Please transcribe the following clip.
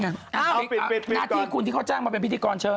ละที่คุณที่เขาจ้ามาเป็นพิธีกรเช่นนี้